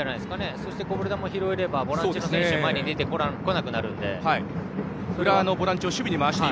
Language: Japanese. それでこぼれ球も拾えればボランチの選手は前に出てこなくなるので。